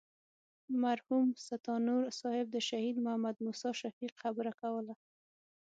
مرحوم ستانور صاحب د شهید محمد موسی شفیق خبره کوله.